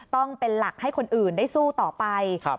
ต้องเป็นหลักให้คนอื่นได้สู้ต่อไป